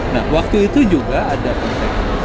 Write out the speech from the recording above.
nah waktu itu juga ada konteks